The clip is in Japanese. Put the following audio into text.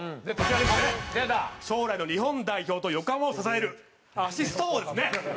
将来の日本代表と横浜を支えるアシスト王ですね。